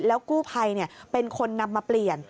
แล้วกู้ภัยเป็นคนนำมาเปลี่ยน